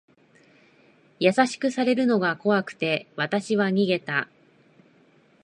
優しくされるのが怖くて、わたしは逃げた。